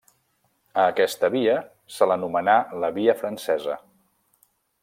A aquesta via se l'anomenà la via francesa.